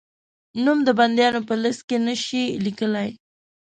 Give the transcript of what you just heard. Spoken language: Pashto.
نوم د بندیانو په لېسټ کې نه شې لیکلای؟